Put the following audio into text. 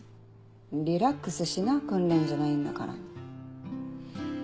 リラックスしな訓練じゃないんだから。